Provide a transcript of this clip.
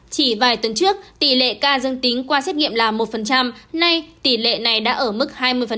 chỉ vài tuần trước tỷ lệ ca dân tính qua xét nghiệm là một nay tỷ lệ này đã ở mức hai mươi